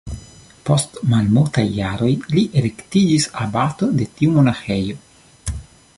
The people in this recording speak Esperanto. Post malmultaj jaroj li elektiĝis abato de tiu monaĥejo.